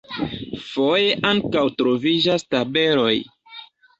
Foje ankaŭ troviĝas tabeloj.